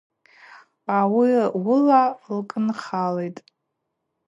Ауи уыла лкӏынхалитӏ.